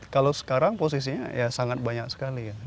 kalau sekarang posisinya ya sangat banyak sekali ya